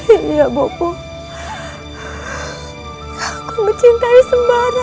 iya bopo aku mencintai sembara